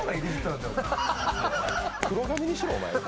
黒髪にしろ、お前は。